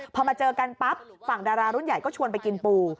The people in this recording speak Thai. พอมาเจอกันปั๊บฝั่งดารารุ่นใหญ่ก็ชวนไปกินปู